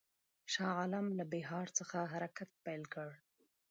شاه عالم له بیهار څخه حرکت پیل کړ.